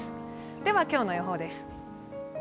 では、今日の予報です。